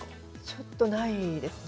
ちょっとないですね。